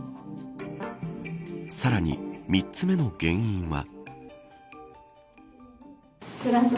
さらに３つ目の原因は。